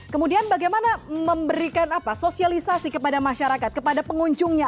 kemudian bagaimana memberikan sosialisasi kepada masyarakat kepada pengunjungnya